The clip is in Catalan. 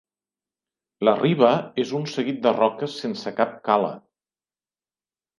La riba és un seguit de roques sense cap cala.